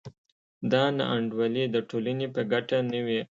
دا نا انډولي د ټولنې په ګټه نه وي.